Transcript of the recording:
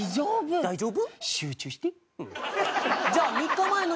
大丈夫。